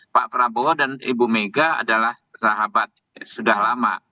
pak prabowo dan ibu mega adalah sahabat sudah lama